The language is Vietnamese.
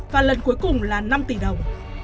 và lần cuối cùng là năm tỷ đồng